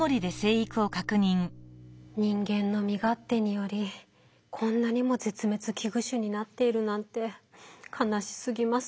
人間の身勝手によりこんなにも絶滅危惧種になっているなんて悲しすぎます。